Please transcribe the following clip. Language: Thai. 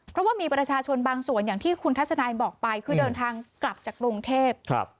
เพราะว่ามีประชาชนบางส่วนอย่างที่คุณทัศนายบอกไปคือเดินทางกลับจากกรุงเทพ